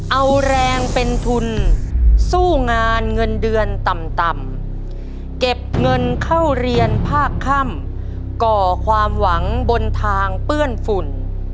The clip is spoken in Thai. เอาแรงเป็นทุนสู้งานเงินเดือนต่ำเก็บเงินเข้าเรียนภาคค่ำก่อความหวังบนทางเปื้อนฝุ่น